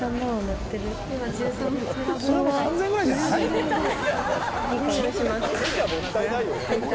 それもう３０００円くらいじゃない？